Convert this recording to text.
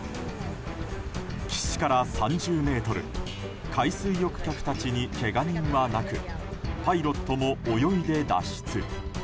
岸から３０ｍ海水浴客たちにけが人はなくパイロットも泳いで脱出。